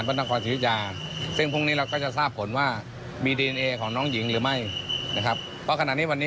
เพราะว่ากางเกงในมันหายไป